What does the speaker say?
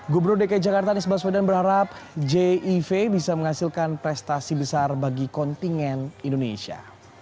gubernur dki jakarta nisbah swedan berharap jiv bisa menghasilkan prestasi besar bagi kontingen indonesia